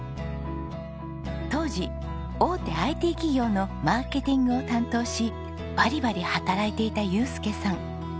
当時大手ＩＴ企業のマーケティングを担当しバリバリ働いていた祐介さん。